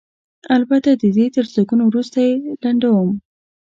البته د دې تر زېږون وروسته یې لنډوم.